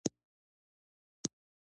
ګرم خواړه ښه دي، بریدمنه، تاسې ویده شئ.